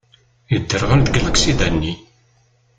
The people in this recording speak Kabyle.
Yedderɣel deg laksida-nni.